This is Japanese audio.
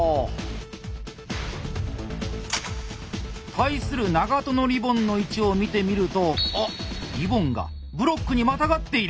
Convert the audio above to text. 対する長渡のリボンの位置を見てみるとあっリボンがブロックにまたがっている！